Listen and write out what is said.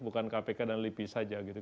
bukan kpk dan lipi saja gitu